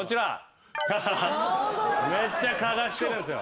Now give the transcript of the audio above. めっちゃ探してるんすよ。